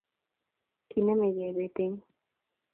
kinemkei bet eng